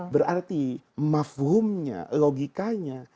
berarti mafhumnya logikanya